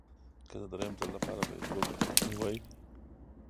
که د درېیم ځل لپاره به یې څوک نیوه